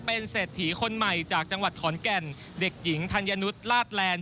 เป็นเศรษฐีคนใหม่จากจังหวัดขอนแก่นเด็กหญิงธัญนุษย์ลาดแลนด